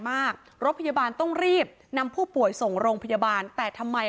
รถพยาบาลต้องรีบนำผู้ป่วยส่งโรงพยาบาลแต่ทำไม